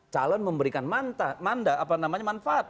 calon memberikan manfaat